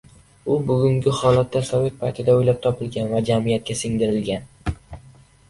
U bugungi holatda sovet paytida oʻylab topilgan va jamiyatga singdirilgan.